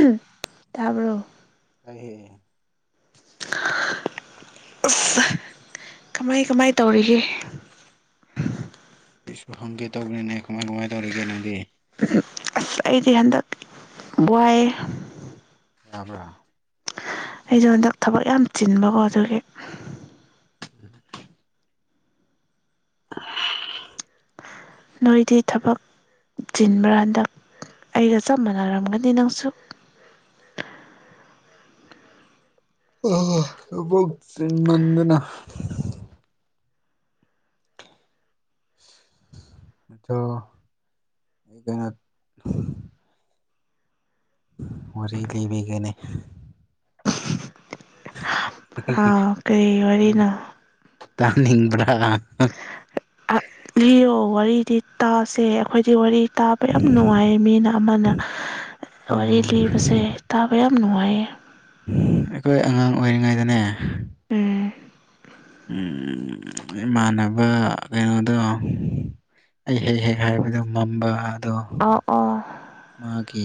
ꯎꯨꯍ ꯇꯥꯕ꯭ꯔꯣ ꯇꯥꯏꯍꯦ ꯍꯥ ꯑꯁ ꯀꯃꯥꯏ ꯀꯃꯥꯏ ꯇꯧꯔꯤꯒꯦ ꯑꯩꯁꯨ ꯍꯪꯒꯦ ꯇꯧꯕꯅꯤꯅꯦ ꯀꯃꯥꯏ ꯀꯃꯥꯏ ꯇꯧꯔꯤꯒꯦ ꯅꯪꯗꯤ ꯑꯁ ꯑꯩꯗꯤ ꯍꯟꯗꯛ ꯋꯥꯏꯌꯦ ꯌꯥꯕ꯭ꯔꯥ ꯑꯩꯁꯨ ꯍꯟꯗꯛ ꯊꯕꯛ ꯌꯥꯝ ꯆꯤꯟꯕꯀꯣ ꯑꯗꯨꯒꯤ [inaudible] [inaudible] ꯅꯣꯏꯗꯤ ꯊꯕꯛ ꯆꯤꯟꯕ꯭ꯔꯥ ꯍꯟꯗꯛ ꯑꯩꯒ ꯆꯞ ꯃꯥꯟꯅꯔꯝꯒꯅꯤ ꯅꯪꯁꯨ ꯑꯣ ꯊꯕꯛ ꯆꯤꯟꯃꯟꯗꯅ ꯑꯗꯣ [unintelligible] ꯋꯔꯤ ꯂꯤꯕꯤꯒꯦꯅꯦ ꯍꯥ ꯍ ꯑꯥ ꯀꯩ ꯋꯔꯤꯅꯣ ꯇꯥꯅꯤꯡꯕ꯭ꯔꯥ ꯑꯥ ꯂꯤꯌꯣ ꯋꯔꯤꯗꯤ ꯇꯥꯁꯦ ꯑꯩꯈꯣꯏꯗꯤ ꯋꯔꯤ ꯇꯥꯕ ꯌꯥꯝ ꯅꯨꯡꯉꯥꯏ ꯃꯤꯅ ꯑꯃꯅ ꯋꯔꯤ ꯎꯝ ꯂꯤꯕꯁꯦ ꯇꯥꯕ ꯌꯥꯝ ꯅꯨꯡꯉꯥꯏꯌꯦ ꯑꯩꯈꯣꯏ ꯑꯉꯥꯡ ꯑꯣꯏꯔꯤꯉꯩꯗꯅꯦ ꯎꯨꯝ ꯎꯝ ꯏꯃꯥꯟꯅꯕ ꯀꯩꯅꯣꯗꯣ ꯑꯩ ꯍꯦꯛ ꯍꯦꯛ ꯍꯥꯏꯕꯗꯣ ꯃꯝꯕ ꯑꯗꯣ ꯑꯥ ꯑꯣ ꯃꯥꯒꯤ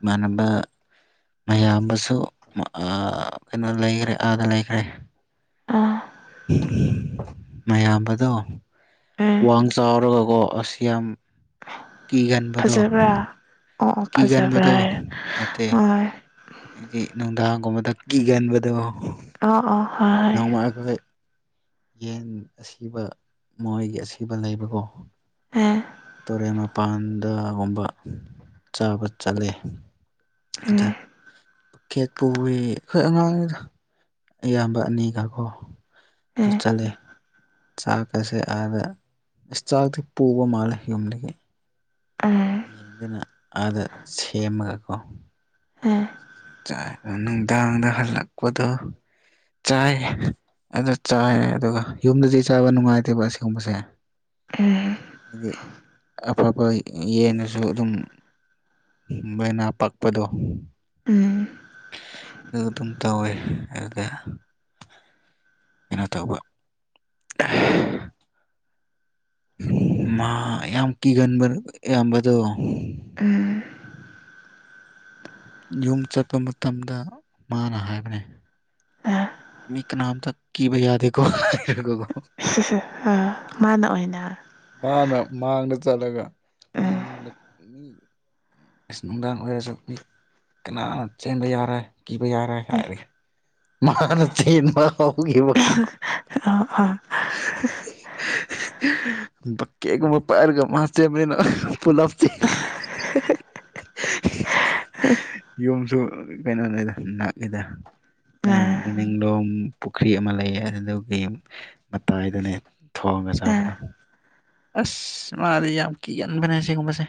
ꯏꯃꯥꯟꯅꯕ ꯃꯌꯥꯝꯕꯁꯨ ꯑ ꯀꯩꯅꯣ ꯂꯩꯈ꯭ꯔꯦ ꯑꯥꯗ ꯂꯩꯈ꯭ꯔꯦ ꯑꯥ ꯃꯌꯥꯝꯕꯗꯣ ꯎꯝ ꯋꯥꯡ ꯆꯥꯎꯔꯒꯀꯣ ꯑꯁ ꯌꯥꯝ ꯀꯤꯒꯟꯕꯗꯣ ꯐꯖꯕ꯭ꯔꯥ ꯑꯣ ꯑꯣ ꯐꯖꯕ꯭ꯔꯥ ꯀꯤꯒꯟꯕꯗꯣ ꯍꯥꯏꯔꯦ ꯅꯠꯇꯦ ꯍꯣꯏ ꯍꯥꯏꯗꯤ ꯅꯨꯡꯗꯥꯡꯒꯨꯝꯕꯗ ꯀꯤꯒꯟꯕꯗꯣ ꯑꯣ ꯑꯣ ꯍꯣꯏ [unintelligible] ꯌꯦꯟ ꯑꯁꯤꯕ ꯃꯣꯏꯒꯤ ꯑꯁꯤꯕ ꯂꯩꯕꯀꯣ ꯍꯥ ꯇꯨꯔꯦꯟ ꯃꯄꯥꯟꯗꯒꯨꯝꯕ ꯆꯥꯕ ꯆꯠꯂꯦ ꯑꯗ ꯎꯝ ꯈꯦꯠ ꯄꯨꯏ ꯑꯩꯈꯣꯏ ꯑꯉꯥꯡꯅꯤꯗ ꯏꯌꯥꯝꯕ ꯑꯅꯤꯒ ꯀꯣ ꯇꯨ ꯆꯠꯂꯦ ꯆꯥꯛꯀꯁꯦ ꯑꯥꯗ ꯑꯁ ꯆꯥꯛꯇꯤ ꯄꯨꯕ ꯃꯥꯜꯂꯦ ꯌꯨꯝꯗꯒꯤ ꯌꯦꯡꯗꯨꯅ ꯑꯥꯗ ꯁꯦꯝꯃꯒꯀꯣ ꯎꯝ ꯆꯥ ꯅꯨꯡꯗꯥꯡꯗ ꯍꯜꯂꯛꯄꯗꯣ ꯆꯥꯏ ꯑꯗꯨ ꯆꯥꯏ ꯑꯗꯨꯒ ꯌꯨꯝꯗꯗꯤ ꯆꯥꯕ ꯅꯨꯡꯉꯥꯏꯇꯦꯕ ꯑꯁꯤꯒꯨꯝꯕꯁꯦ ꯎꯝ ꯍꯥꯏꯗꯤ ꯑꯐꯕ ꯌꯦꯟꯅꯁꯨ ꯑꯗꯨꯝ ꯃꯅ ꯄꯛꯄꯗꯣ ꯑꯗꯨ ꯑꯗꯨꯝ ꯇꯧꯋꯦ ꯑꯗꯨꯒ ꯀꯩꯅꯣ ꯇꯧꯕ ꯃꯥ ꯌꯥꯝ ꯀꯤꯒꯟꯕ ꯏꯌꯥꯝꯕꯗꯨ ꯎꯝ ꯌꯨꯝ ꯆꯠꯄ ꯃꯇꯝꯗ ꯃꯥꯅ ꯍꯥꯏꯕꯅꯦ ꯃꯤ ꯀꯅꯥꯝꯇ ꯀꯤꯕ ꯌꯥꯗꯦꯀꯣ ꯍꯥꯏꯔꯒꯀꯣ ꯑ ꯃꯥꯅ ꯑꯣꯏꯅ ꯃꯥꯅ ꯃꯥꯡꯗ ꯆꯠꯂꯒ ꯃꯤ ꯎꯝ ꯃꯥꯡꯗ ꯃꯤ [inaudible] ꯑꯁ ꯅꯨꯡꯗꯥꯡ ꯑꯣꯏꯔꯁꯨ ꯃꯤ ꯀꯅꯥ ꯆꯦꯟꯕ ꯌꯥꯔꯣꯏ ꯀꯤꯕ ꯌꯥꯔꯣꯏ ꯑ ꯍꯥꯏꯔꯒ ꯃꯥꯅ ꯆꯦꯟꯕ ꯍꯧꯒꯤꯕ ꯑꯣ ꯑꯣ ꯕꯀꯦꯠ ꯀꯨꯝꯕ ꯄꯥꯢꯔꯒ ꯃꯥ ꯆꯦꯟꯕꯅꯤꯅꯥ ꯄꯨꯂꯞ ꯆꯦꯟꯂꯤ ꯌꯨꯝꯁꯨ ꯀꯩꯅꯣꯅꯦꯗ ꯅꯛꯏꯗ ꯃꯣꯏ ꯃꯅꯤꯡꯂꯣꯝ ꯄꯨꯈ꯭ꯔꯤ ꯑꯃ ꯂꯩꯌꯦ ꯑꯗꯨꯗꯒꯤ ꯃꯇꯥꯏꯗꯨꯅꯦ ꯊꯣꯡꯉꯥ ꯁꯥꯕꯗꯣ ꯑꯁ ꯃꯥꯗꯤ ꯌꯥꯝ ꯀꯤꯒꯟꯕꯅꯦ ꯑꯥꯁꯤꯒꯨꯝꯕꯁꯦ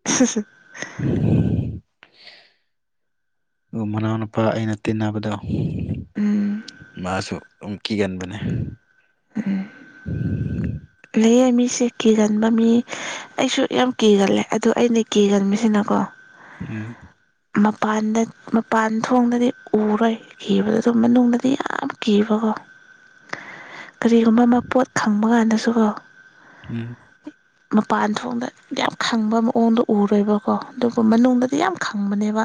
[unintelligible] [unintelligible] ꯑꯗꯨꯒ ꯃꯅꯥꯎꯅꯨꯄꯥ ꯑꯩꯅ ꯇꯤꯟꯅꯕꯗꯣ ꯎꯝ ꯃꯥꯁꯨ ꯑꯝ ꯀꯤꯒꯟꯕꯅꯦ ꯎꯝ ꯂꯩꯌꯦ ꯃꯤꯁꯦ ꯀꯤꯒꯟꯕ ꯃꯤ ꯑꯩꯁꯨ ꯌꯥꯝ ꯀꯤꯒꯜꯂꯦ ꯑꯗꯨ ꯑꯩꯅ ꯀꯤꯒꯟꯕꯁꯤꯅꯀꯣ ꯎꯝ ꯃꯄꯥꯟꯗ ꯃꯄꯥꯟ ꯊꯣꯡꯗꯗꯤ ꯎꯔꯣꯏ ꯀꯤꯕꯗꯨ ꯑꯗꯨꯝ ꯃꯅꯨꯡꯗꯗꯤ ꯌꯥꯝ ꯀꯤꯕꯀꯣ ꯀꯔꯤꯒꯨꯝꯕ ꯑꯃ ꯄꯣꯠ ꯈꯪꯕ ꯀꯥꯟꯗꯁꯨꯀꯣ ꯎꯝ ꯃꯄꯥꯟ ꯊꯣꯡꯗ ꯌꯥꯝ ꯈꯪꯕ ꯃꯑꯣꯡꯗꯣ ꯎꯔꯣꯏꯕꯀꯣ ꯑꯗꯨꯒ ꯃꯅꯨꯡꯗꯗꯤ ꯌꯥꯝ ꯈ ꯈꯪꯕꯅꯦꯕ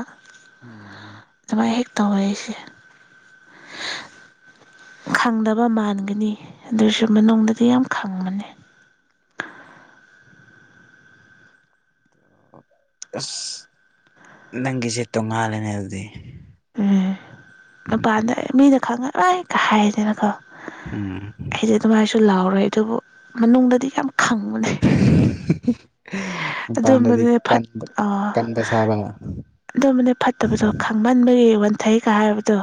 ꯎꯝ ꯁꯨꯃꯥꯏ ꯍꯦꯛ ꯇꯧꯌꯦ ꯑꯩꯁꯦ ꯈꯪꯗꯕ ꯃꯥꯟꯒꯅꯤ ꯑꯗꯨꯁꯨ ꯃꯅꯨꯡꯗꯗꯤ ꯌꯥꯝ ꯈꯪꯕꯅꯦ ꯑꯁ ꯅꯪꯒꯤꯁꯦ ꯇꯣꯡꯉꯥꯜꯂꯦꯅꯦ ꯑꯗꯨꯗꯤ ꯎꯝ ꯃꯄꯥꯟꯗ ꯃꯤꯅ ꯈꯪꯉꯥ ꯑꯥꯏ ꯀꯥꯢ ꯍꯥꯏꯗꯅꯀꯣ ꯎꯝ ꯑꯩꯗꯤ ꯑꯗꯨꯃꯥꯏꯁꯨ ꯂꯥꯎꯔꯣꯢ ꯑꯗꯨꯕꯨ ꯃꯅꯨꯡꯗꯗꯤ ꯌꯥꯝ ꯈꯪꯕꯅꯦ [unintelligible] ꯑꯗꯨꯝꯕꯅꯦ ꯐꯠ ꯀꯟꯕ ꯑ ꯀꯟꯕ ꯁꯥꯕ ꯑꯗꯨꯝꯕꯅꯦ ꯐꯠꯇꯕꯗꯣ ꯈꯪ ꯃꯟꯕꯒꯤ ꯋꯥꯟꯊꯩꯒ ꯍꯥꯏꯕꯗꯣ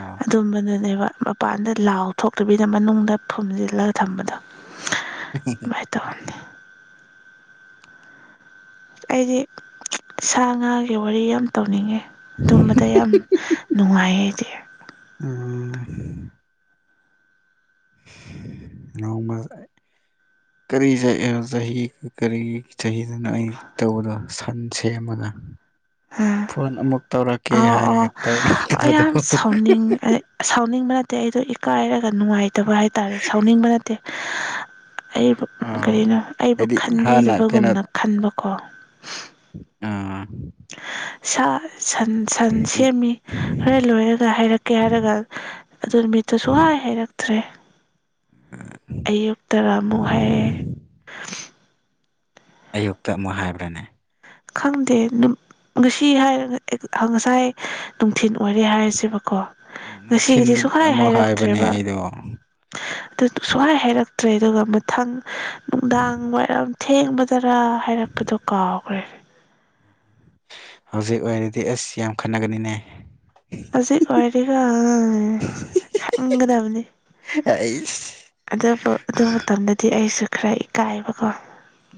ꯑꯥꯎ ꯑꯗꯨꯝꯕꯗꯨꯅꯦꯕ ꯃꯄꯥꯟꯗ ꯂꯥꯎ ꯊꯣꯛꯇꯕꯤꯗ ꯃꯅꯨꯡꯗ ꯐꯨꯝꯖꯤꯜꯂꯒ ꯊꯝꯕꯗꯣ [unintelligible] ꯃꯥꯏꯇꯧ [unintelligible] ꯑꯩꯗꯤ ꯁꯥ ꯉꯥꯒꯤ ꯋꯥꯔꯤ ꯌꯥꯝ ꯇꯧꯅꯤꯡꯉꯦ ꯇꯨꯝꯕꯗꯥ ꯌꯥꯝ ꯅꯨꯡꯉꯥꯏꯌꯦ ꯑꯩꯗꯤ ꯎꯝ ꯅꯣꯡꯃ [unintelligible] ꯀꯔꯤ ꯆꯍꯤ ꯀꯔꯤ ꯆꯍꯤꯗꯅꯣ ꯑꯩ ꯇꯧꯕꯗꯣ ꯁꯟ ꯁꯦꯝꯃꯒ [inaudible] ꯐꯣꯟ ꯑꯃꯨꯛ ꯇꯧꯔꯛꯀꯦ ꯑꯥꯎ ꯍꯥꯏꯔ ꯇꯧꯔꯛꯇꯥꯕꯗꯨ ꯌꯥꯝ ꯎꯝ ꯁꯥꯎꯅꯤꯡ ꯑꯩ ꯁꯥꯎꯅꯤꯡꯕ ꯅꯠꯇꯦ ꯑꯩꯗꯣ ꯏꯀꯥꯏꯔꯒ ꯅꯨꯡꯉꯥꯏꯇꯕ ꯍꯥꯏ ꯇꯥꯔꯦ ꯁꯥꯎꯅꯤꯡꯕ ꯅꯠꯇꯦ ꯑꯩꯕꯨ ꯑꯥ ꯀꯔꯤꯅꯣ ꯑꯩꯕꯨ ꯍꯥꯏꯗꯤ ꯍꯥꯟꯅ ꯈꯟꯕꯤꯗꯕꯒꯨꯝꯅ ꯈꯟꯕꯀꯣ ꯑꯥ ꯁꯥ ꯁꯟ ꯁꯟ ꯁꯦꯝꯃꯤ ꯍꯣꯔꯦꯟ ꯂꯣꯏꯔꯒ ꯍꯥꯏꯔꯛꯀꯦ ꯍꯥꯏꯔꯒ ꯑꯗꯨ ꯅꯨꯃꯤꯠꯇꯨ ꯁꯨꯍꯥꯏ ꯍꯥꯏꯔꯛ ꯇ꯭ꯔꯦ ꯑꯌꯨꯛꯇ ꯑꯃꯨꯛ ꯍꯥꯏꯔꯛꯑꯦ ꯑꯌꯨꯛꯇ ꯑꯃꯨꯛ ꯍꯥꯏꯕ꯭ꯔꯅꯦ ꯈꯪꯗꯦ ꯉꯁꯤ ꯍꯥꯏꯔꯒ ꯑꯥ ꯉꯁꯥꯏ ꯅꯨꯡꯊꯤꯜ ꯑꯣꯏꯔꯦ ꯍꯥꯏꯔꯁꯦꯕꯀꯣ ꯎꯝ ꯉꯁꯤꯒꯤꯗꯤ ꯅꯨꯡꯊꯤꯟꯗ ꯁꯨꯛꯍꯥꯢ ꯑꯃꯨꯛ ꯍꯥꯏꯕꯅꯦ ꯍꯥꯏꯔꯛꯇ꯭ꯔꯦꯕ ꯑꯩꯗꯣ ꯑꯗꯨ ꯁꯨꯡꯍꯥꯏ ꯍꯥꯏꯔꯛꯇ꯭ꯔꯦ ꯑꯗꯨꯒ ꯃꯊꯪ ꯅꯨꯡꯗꯥꯡ ꯋꯥꯏꯔꯝ ꯊꯦꯡꯕꯗ ꯇꯔꯥ ꯍꯥꯏꯔꯛꯄꯗꯣ ꯀꯥꯎꯒ꯭ꯔꯦ ꯍꯧꯖꯤꯛ ꯑꯣꯏꯔꯗꯤ ꯑꯁ ꯌꯥꯝ ꯈꯠꯅꯒꯅꯤꯅꯦ ꯍꯧꯖꯤꯛ ꯑꯣꯏꯔꯗꯤꯀꯣ ꯈꯪꯒꯗꯕꯅꯤ ꯑꯩꯁ ꯑꯗꯨꯕꯨ ꯑꯗꯨ ꯃꯇꯝꯗꯗꯤ ꯑꯩꯁꯨ ꯈꯔ ꯏꯀꯥꯏꯕꯀꯣ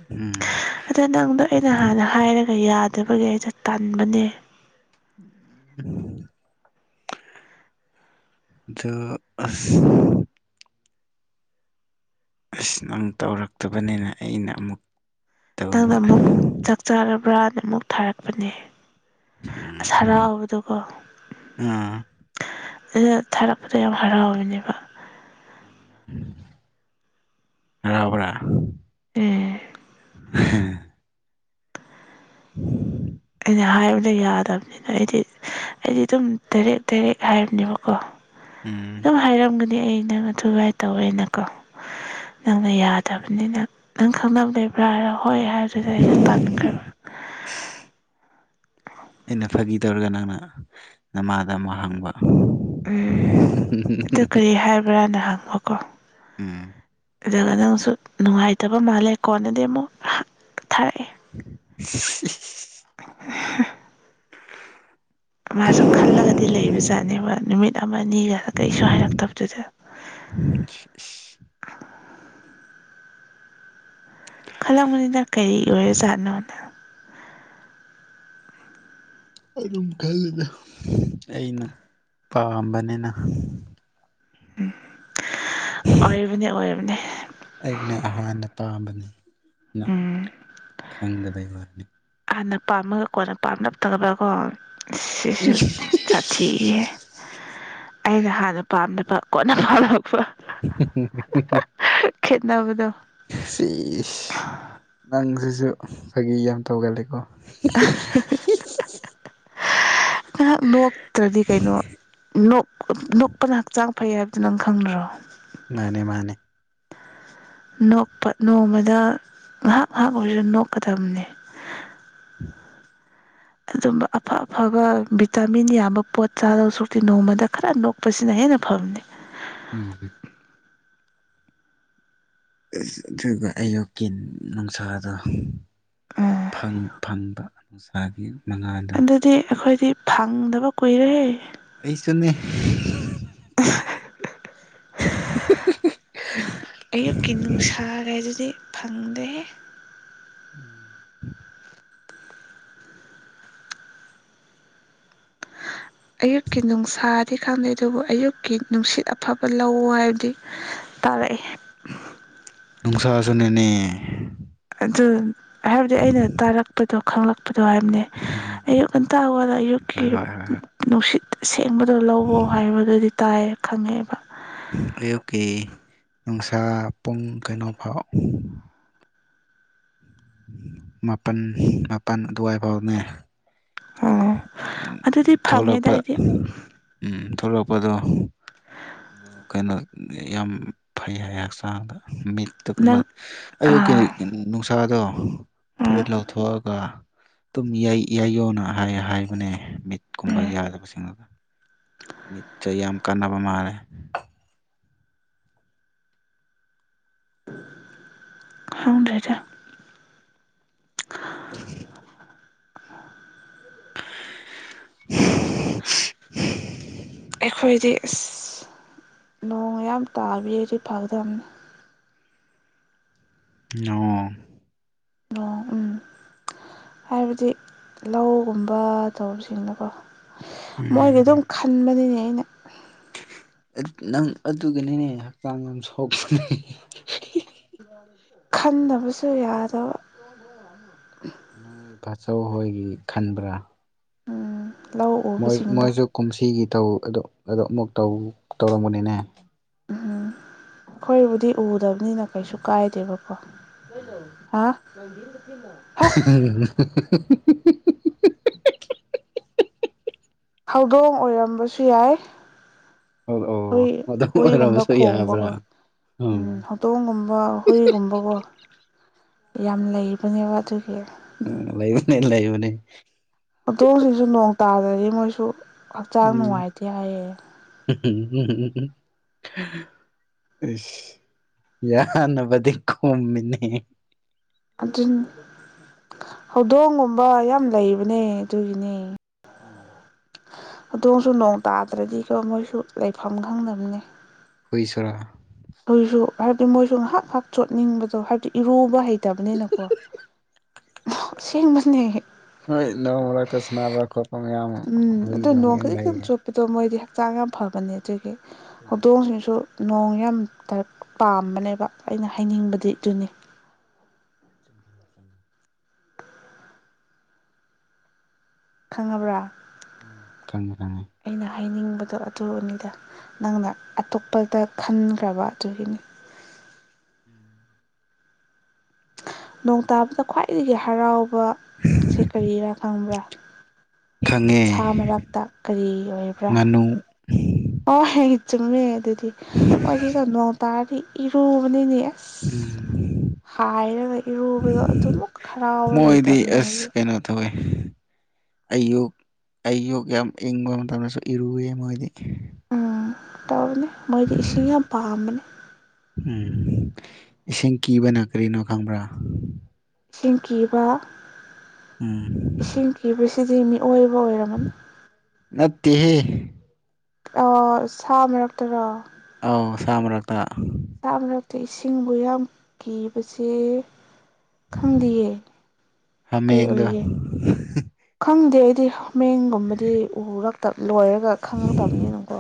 ꯎꯝ ꯑꯗ ꯅꯪꯗꯣ ꯑꯩꯅ ꯍꯥꯟꯅ ꯍꯥꯏꯔꯒ ꯌꯥꯗꯕꯒꯤ ꯑꯩꯖꯨ ꯇꯟꯕꯅꯦ [inaudible] ꯗꯣ ꯑꯁ ꯑꯁ ꯅꯪ ꯇꯧꯔꯛꯇꯕꯅꯦꯅ ꯑꯩꯅ ꯑꯃꯨꯛ ꯅꯪꯅ ꯇꯧꯕ ꯑꯃꯨꯛ ꯆꯥꯛ ꯆꯥꯔꯕ꯭ꯔꯥꯅ ꯑꯃꯨꯛ ꯊꯥꯔꯛꯄꯅꯦ ꯑꯁ ꯎꯝ ꯍꯔꯥꯎꯕꯗꯣꯀꯣ ꯑꯥ ꯑ ꯊꯥꯔꯛꯄꯗꯣ ꯌꯥꯝ ꯍꯔꯥꯎꯋꯤꯅꯦꯕ ꯍꯔꯥꯎꯕ꯭ꯔꯥ ꯑꯦ [unintelligible] ꯑꯩꯅ ꯍꯥꯏꯕꯗ ꯌꯥꯗꯕꯅꯦ ꯑꯩꯗꯤ ꯑꯩꯗꯤ ꯑꯗꯨꯝ ꯗꯥꯏꯔꯦꯛ ꯗꯥꯏꯔꯦꯛ ꯍꯥꯏꯕꯅꯦꯕꯀꯣ ꯎꯝ ꯝ ꯍꯥꯏꯔꯝꯒꯅꯤ ꯑꯩ ꯅꯪ ꯑꯊꯨꯃꯥꯏ ꯇꯧꯑꯦꯅꯀꯣ ꯅꯪꯅ ꯌꯥꯗꯕꯅꯤꯅ ꯅꯪ ꯈꯪꯅꯕ ꯂꯩꯕ꯭ꯔꯥ ꯍꯥꯏꯔꯣ ꯍꯣꯏ ꯍꯥꯏꯗꯨꯗ ꯑꯩꯁꯨ ꯇꯥꯟꯈ꯭ꯔꯕ [unintelligible] ꯑꯩꯅ ꯐꯥꯒꯤ ꯇꯧꯔꯒ ꯅꯪꯅ ꯅꯃꯥꯗ ꯑꯃꯨꯛ ꯍꯪꯕ꯫ ꯎꯝ ꯑꯗꯨ ꯀꯔꯤ ꯍꯥꯏꯕ꯭ꯔꯥꯅ ꯍꯪꯕꯀꯣ ꯎꯝ ꯑꯗꯨꯒ ꯅꯪꯁꯨ ꯅꯨꯡꯉꯥꯏꯇꯕ ꯃꯥꯜꯂꯦ ꯀꯣꯟꯅꯗꯤ ꯑꯃꯨꯛ ꯊꯥꯔꯛꯑꯦ ꯫ [unintelligible] ꯃꯥꯁꯨ ꯈꯜꯂꯒꯗꯤ ꯂꯩꯕ ꯖꯥꯠꯅꯦꯕ ꯅꯨꯃꯤꯠ ꯑꯃ ꯑꯅꯤꯒ ꯀꯩꯁꯨ ꯍꯥꯏꯔꯛꯇꯕꯗꯨꯗ [inaudible] ꯈꯜꯂꯝꯕꯅꯤꯅ ꯀꯔꯤ ꯑꯣꯏꯔꯦ ꯖꯥꯠꯅꯣꯅ ꯑꯗꯨꯝ ꯈꯜꯂꯤꯅꯦ ꯑꯩꯅ ꯄꯥꯝꯕꯅꯤꯅ ꯎꯝ ꯑꯣꯏꯔꯤꯕꯅꯤ ꯑꯣꯏꯔꯕꯅꯤ ꯑꯩꯅ ꯍꯥꯟꯅ ꯄꯥꯝꯕꯅꯤ ꯅꯪ ꯎꯝ ꯈꯪꯗꯕꯩ ꯋꯥꯅꯤ ꯍꯥꯟꯅ ꯄꯥꯝꯃꯒ ꯀꯣꯟꯅ ꯄꯥꯝꯂꯞ ꯇꯧꯔꯒꯀꯣ ꯁꯤꯁꯨ ꯆꯠ ꯊꯤꯍꯦ ꯑꯩꯅ ꯍꯥꯟꯅ ꯄꯥꯝꯗꯕ ꯀꯣꯟꯅ ꯄꯥꯜꯂꯛꯄ [unintelligible] ꯈꯦꯠꯅꯕꯗꯣ ꯁꯤ ꯅꯪꯁꯤꯁꯨ ꯐꯥꯒꯤ ꯌꯥꯝ ꯇꯧꯒꯜꯂꯤꯀꯣ ꯫ [unintelligible] ꯉꯥꯏꯍꯥꯛ ꯅꯣꯛꯇ꯭ꯔꯗꯤ ꯀꯩꯅꯣ ꯅꯣꯛꯄꯅ ꯍꯛꯆꯥꯡ ꯐꯩ ꯍꯥꯏꯕꯗꯨꯣ ꯅꯪ ꯈꯪꯗ꯭ꯔꯣ ꯃꯥꯅꯦ ꯃꯥꯅꯦ ꯅꯣꯛꯄ ꯅꯣꯡꯃꯗ ꯉꯥꯏꯍꯥꯛ ꯉꯥꯏꯍꯥꯛ ꯑꯣꯏꯔꯁꯨ ꯅꯣꯛꯀꯗꯕꯅꯤ ꯑꯗꯨꯝꯕ ꯑꯐ ꯑꯐꯕ ꯚꯤꯇꯥꯃꯤꯟ ꯌꯥꯕ ꯄꯣꯠ ꯆꯥꯗꯕ ꯁꯛꯇꯤ ꯅꯣꯡꯃꯗ ꯈꯔ ꯅꯣꯛ ꯅꯣꯛꯄꯁꯤꯅ ꯍꯦꯟꯅ ꯐꯕꯅꯤ ꯎꯝ ꯑꯗꯨꯒ ꯑꯌꯨꯛꯀꯤ ꯅꯨꯡꯁꯥꯗꯣ ꯎꯝ ꯐꯪꯕ ꯅꯨꯡꯁꯥꯒꯤ ꯃꯉꯥꯟꯗꯣ ꯑꯗꯨꯗꯤ ꯑꯩꯈꯣꯏꯗꯤ ꯐꯪꯗꯕ ꯀꯨꯏꯔꯦꯍꯦ ꯑꯩꯁꯨꯅꯦ ꯑꯌꯨꯛꯀꯤ ꯅꯨꯡꯁꯥꯀꯥꯏꯗꯨꯗꯤ ꯐꯪꯗꯦꯍꯦ [inaudible] ꯑꯌꯨꯛꯀꯤ ꯅꯨꯡꯁꯥ ꯈꯪꯗꯦ ꯑꯗꯨꯕꯨ ꯑꯌꯨꯛꯀꯤ ꯅꯨꯡꯁꯤꯠ ꯑꯐꯕ ꯂꯧ ꯍꯥꯏꯕꯗꯤ ꯇꯥꯔꯛꯏ ꯫ ꯅꯨꯡꯁꯥꯁꯨ ꯅꯤꯅꯦ ꯑꯗꯨ ꯍꯥꯏꯕꯗꯤ ꯑꯩꯅ ꯇꯥꯔꯛꯄꯗꯣ ꯈꯪꯂꯛꯄꯗꯣ ꯍꯥꯏꯕꯅꯦ ꯎꯝ ꯑꯌꯨꯛ ꯉꯟꯇ ꯍꯧꯒꯠꯂ ꯑꯌꯨꯛꯀꯤ ꯍꯣꯏ ꯍꯣꯏ ꯍꯣꯏ ꯍꯣꯏ ꯅꯨꯡꯁꯤꯠ ꯑꯁꯦꯡꯕꯗꯣ ꯂꯧꯑꯣ ꯍꯥꯏꯕꯗꯨꯗꯤ ꯇꯥꯏꯌꯦ ꯈꯪꯉꯦꯕ ꯑꯌꯨꯛꯀꯤ ꯅꯨꯡꯁꯥ ꯄꯨꯡ ꯀꯩꯅꯣ ꯐꯥꯎ ꯃꯥꯄꯜ ꯃꯥꯄꯜ ꯑꯗꯨꯋꯥꯏ ꯐꯥꯎꯅꯦ ꯑꯣ ꯑꯗꯨꯗꯤ ꯐꯪꯉꯦꯗ ꯊꯣꯛꯂꯛꯄ ꯑꯩꯗꯤ ꯎꯝ ꯊꯣꯛꯂꯛꯄꯗꯣ ꯑꯗꯨ ꯀꯩꯅꯣ ꯌꯥꯝ ꯐꯩ ꯍꯥꯏ ꯍꯛꯆꯥꯡꯗ ꯃꯤꯠ ꯅꯪ ꯑꯌꯨꯛꯀꯤ ꯑꯥ ꯅꯨꯡꯁꯥꯗꯣ ꯎꯝ ꯐꯨꯔꯤꯠ ꯂꯧꯊꯣꯛꯑꯒ ꯑꯗꯨꯝ ꯌꯥꯏ ꯌꯥꯏꯌꯣꯅ ꯍꯥꯏꯕꯅꯦ ꯃꯤꯠꯀꯨꯝꯕ ꯎꯝ ꯌꯥꯗꯕꯁꯤꯡꯗꯣ ꯃꯤꯠꯇ ꯌꯥꯝ ꯀꯥꯟꯅꯕ ꯃꯥꯜꯂꯦ ꯈꯪꯗꯦꯗ [inaudible] [inaudible] ꯑꯩꯈꯣꯏꯗꯤ ꯏꯁ ꯅꯣꯡ ꯃꯌꯥꯝ ꯇꯥꯕꯤꯔꯗꯤ ꯐꯒꯥꯗꯕꯅꯤ ꯅꯣꯡ ꯅꯣꯡ ꯎꯝ ꯍꯥꯏꯕꯗꯤ ꯂꯧꯒꯨꯝꯕ ꯇꯧꯕꯁꯤꯡꯗꯀꯣ ꯃꯣꯏꯒꯤ ꯎꯝ ꯑꯗꯨꯝ ꯈꯟꯕꯅꯤꯅꯦ ꯑꯩꯅ ꯑꯦꯠ ꯅꯪ ꯑꯗꯨꯒꯤꯅꯦ ꯍꯛꯆꯥꯡ ꯌꯥꯝ ꯁꯣꯛ [inaudible] ꯈꯟꯗꯕꯁꯨ ꯌꯥꯗꯕ ꯅꯣꯏ ꯇꯥꯆꯧ ꯍꯣꯏꯒꯤ ꯈꯟꯕ꯭ꯔꯥ ꯎꯝ ꯂꯧ ꯃꯣꯏ ꯎꯕꯁꯤꯡꯗꯣ ꯃꯣꯏꯁꯨ ꯀꯨꯝꯁꯤꯒꯤ ꯇꯧ ꯑꯗꯨ ꯑꯗꯨ ꯑꯃꯨꯛ ꯇꯧ ꯇꯧꯔꯝꯒꯅꯤꯅꯦ ꯑꯈꯣꯏꯕꯨꯗꯤ ꯎꯗꯕꯅꯤꯅ ꯀꯩꯁꯨ ꯀꯥꯏꯗꯦꯕꯀꯣ [inaudible] ꯍꯥ ꯍꯥ [unintelligible] ꯍꯧꯗꯣꯡ ꯑꯣꯏꯔꯝꯕꯁꯨ ꯌꯥꯏ ꯑꯣ ꯍꯨꯏ ꯑꯣ ꯑꯗꯨꯝ ꯍꯨꯏꯒꯨꯝꯕ ꯑꯣꯏꯔꯝꯕꯁꯨ ꯌꯥꯕ꯭ꯔꯥ ꯈꯣꯡꯕꯀꯣ ꯎꯝ ꯑꯣ ꯍꯧꯇꯣꯡꯒꯨꯝꯕ ꯍꯨꯏꯒꯨꯝꯕꯀꯣ ꯌꯥꯝ ꯂꯩꯕꯅꯦꯕ ꯑꯗꯨꯒꯤ ꯎꯝ ꯂꯩꯥꯕꯅꯦ ꯂꯩꯕꯅꯦ ꯍꯧꯗꯣꯡꯁꯤꯡꯁꯨ ꯅꯣꯡ ꯇꯥꯗ꯭ꯔꯥꯗꯤ ꯃꯣꯏꯁꯨ ꯍꯛꯆꯥꯡ ꯎꯝ ꯅꯨꯡꯉꯥꯏꯇꯦ ꯍꯥꯏꯌꯦ ꯏꯁ ꯌꯥꯅꯕꯗꯤ ꯈꯨꯝꯃꯤꯅꯦ ꯑꯗꯨꯅꯤ ꯍꯧꯗꯣꯡꯒꯨꯝꯕ ꯌꯥꯝ ꯂꯩꯕꯅꯦ ꯑꯗꯨꯒꯤꯅꯦ [inaudible] ꯍꯧꯗꯣꯡꯁꯨ ꯅꯣꯡ ꯇꯥꯗ꯭ꯔꯥꯗꯤ ꯀꯣ ꯃꯣꯏꯁꯨ ꯂꯩꯐꯝ ꯈꯪꯗꯕꯅꯦ ꯍꯨꯏꯁꯨꯔꯥ ꯍꯢꯁꯨ ꯍꯥꯏꯕꯗꯤ ꯃꯣꯏꯁꯨ ꯉꯥꯏꯍꯥꯛ ꯉꯍꯥꯛ ꯆꯣꯠꯅꯤꯡꯕꯗꯣ ꯍꯥꯏꯕꯗꯤ ꯏꯔꯨꯕ ꯍꯩꯇꯕꯅꯤꯅꯀꯣ [unintelligible] ꯑꯁꯦꯡꯕꯅꯦ ꯍꯣꯏ ꯅꯣꯡ ꯃꯔꯛꯇꯥ ꯁꯅꯥꯕ ꯈꯣꯠꯄ ꯃꯌꯥꯝ ꯎꯝ ꯍꯨꯢꯗꯣ ꯅꯣꯡ ꯌꯦꯡ ꯂꯩ ꯈꯖꯤꯛꯇꯪ ꯑꯗꯣ ꯆꯣꯠꯄꯗꯣ ꯃꯣꯏꯗꯤ ꯍꯛꯆꯥꯡ ꯌꯥꯝ ꯐꯕꯅꯦ ꯑꯗꯨꯒꯤ ꯎꯝ ꯍꯧꯗꯣꯡꯁꯤꯡꯁꯨ ꯅꯣꯡ ꯌꯥꯝ ꯇꯥ ꯄꯥꯝꯕꯅꯦꯕ ꯑꯩꯅ ꯍꯥꯏꯅꯤꯡꯕꯗꯤ ꯑꯗꯨꯅꯤ ꯈꯪꯉꯥꯕ꯭ꯔꯥ ꯈꯪꯉꯦ ꯈꯪꯉꯦ ꯑꯩꯅ ꯍꯥꯏꯅꯤꯡꯕꯗꯣ ꯑꯗꯨꯅꯤꯗ ꯅꯪꯅ ꯑꯇꯣꯞꯄꯗ ꯈꯟꯈ꯭ꯔꯥꯕ ꯑꯗꯨꯒꯤꯅꯤ [inaudible] ꯅꯣꯡ ꯇꯥꯕꯗ ꯈ꯭ꯋꯥꯏꯗꯒꯤ ꯍꯔꯥꯎꯕꯁꯦ ꯀꯔꯤꯔꯥ ꯈꯪꯕ꯭ꯔꯥ ꯈꯪꯉꯦ ꯁꯥ ꯃꯔꯛꯇꯥ ꯀꯔꯤ ꯑꯣꯏꯕ꯭ꯔꯥ ꯉꯥꯅꯨ ꯑꯣ ꯍꯦ ꯆꯨꯝꯃꯦ ꯑꯗꯨꯗꯤ ꯃꯣꯏꯗꯤ ꯀꯣ ꯅꯣꯡ ꯇꯥꯔꯗꯤ ꯏꯔꯨꯕꯅꯤꯅꯦ ꯏꯁ ꯎꯝ ꯍꯥꯏꯔꯒꯥ ꯏꯔꯨꯕꯗꯣ ꯑꯗꯨꯃꯨꯛ ꯍꯔꯥꯎꯕ ꯂꯩꯇꯕꯅꯤ ꯃꯣꯏꯒꯤ ꯍꯣꯏ ꯑꯌꯨꯛ ꯑꯌꯨꯛ ꯌꯥꯝ ꯏꯪꯕ ꯃꯇꯝꯗꯥꯁꯨ ꯏꯔꯨꯌꯦ ꯃꯣꯏꯗꯤ ꯎꯝ ꯇꯧꯅꯦ ꯃꯣꯏꯗꯤ ꯏꯁꯤꯡ ꯌꯥꯝ ꯄꯥꯝꯕꯅꯦ ꯎꯝ ꯏꯁꯤꯡ ꯀꯤꯕꯅ ꯀꯔꯤꯅꯣ ꯈꯪꯕ꯭ꯔꯥ ꯏꯁꯤꯡ ꯀꯤꯕ ꯎꯝ ꯏꯁꯤꯡ ꯀꯤꯕꯁꯤꯗꯤ ꯃꯤꯑꯣꯏꯕ ꯑꯣꯏꯔꯝꯃꯅꯤ ꯅꯠꯇꯦꯍꯦ ꯑꯣ ꯁꯥ ꯃꯔꯛꯇꯔꯣ ꯑꯧ ꯁꯥ ꯃꯔꯛꯇ ꯁꯥ ꯃꯔꯛꯇ ꯏꯁꯤꯡꯕꯨ ꯌꯥꯝ ꯀꯤꯕꯁꯦ ꯈꯪꯗꯤꯌꯦ ꯀꯩ ꯍꯥꯃꯦꯡꯗꯣ ꯑꯣꯏꯒꯦ ꯈꯪꯗꯦ ꯑꯩꯗꯤꯃꯦꯦꯟꯒꯨꯝꯕꯗꯤ ꯎꯔꯛꯇ ꯂꯣꯏꯔꯒ ꯈꯪꯉꯛꯇꯕꯅꯤꯅꯀꯣ